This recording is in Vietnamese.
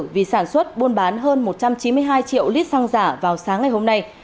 vì sản xuất buôn bán hơn một trăm chín mươi hai triệu lít xăng giả vào sáng ngày hôm nay